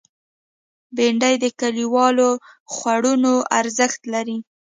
بېنډۍ د کلیوالو خوړونو ارزښت لري